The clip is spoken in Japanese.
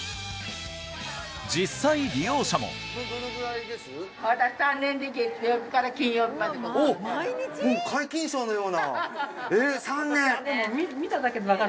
実際利用者ももう皆勤賞のようなえっ３年！